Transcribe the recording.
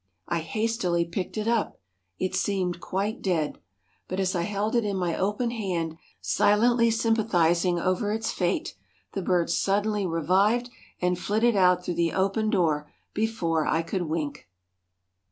I hastily picked it up. It seemed quite dead. But as I held it in my open hand, silently sympathizing over its fate, the bird suddenly revived and flitted out through the open door before I could wink.